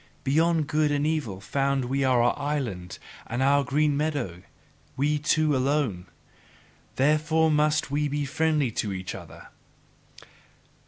Beyond good and evil found we our island and our green meadow we two alone! Therefore must we be friendly to each other!